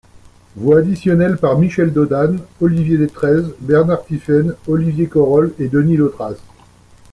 Voix additionnelles par Michel Dodane, Olivier Destrez, Bernard Tiphaine, Olivier Korol et Denis Laustriat.